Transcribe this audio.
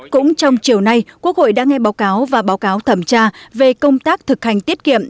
cũng trong chiều nay quốc hội đã nghe báo cáo và báo cáo thẩm tra về công tác thực hành tiết kiệm